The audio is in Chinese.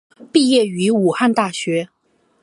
毕业于武汉大学。